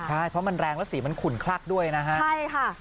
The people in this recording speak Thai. เนี่ยเพราะมันแรงแล้วสีมันขุนคลักด้วยนะฮะ